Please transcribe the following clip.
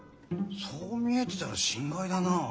そう見えてたら心外だなあ。